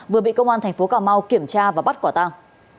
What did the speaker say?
vừa bị công an tp cm kiểm tra và bắt quả tăng